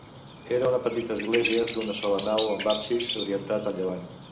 Era una petita església d'una sola nau amb absis orientat a llevant.